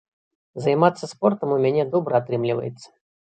Займацца спортам у мяне добра атрымліваецца.